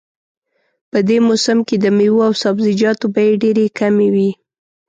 په دې موسم کې د میوو او سبزیجاتو بیې ډېرې کمې وي